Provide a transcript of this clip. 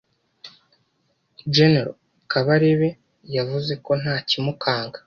Gen Kabarebe yavuze ko ntakimukanga